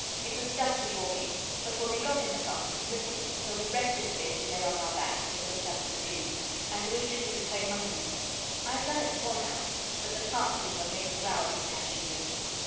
It was dusty walking, but when we got in the Park it was ripping, so we rested a bit, and lay on our backs, and looked up at the trees, and wished we could play monkeys. I have done it before now, but the Park keeper makes a row if he catches you.